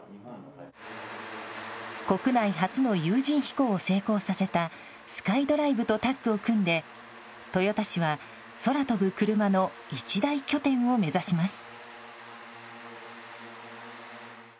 国内初の有人飛行を成功させたスカイドライブとタッグを組んで豊田市は空飛ぶクルマの一大拠点を目指します。